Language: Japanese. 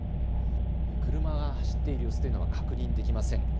車が走っている様子は確認できません。